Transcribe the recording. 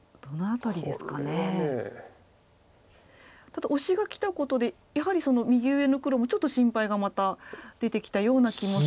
ただオシがきたことでやはり右上の黒もちょっと心配がまた出てきたような気も。